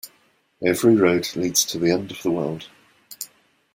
Every road leads to the end of the world.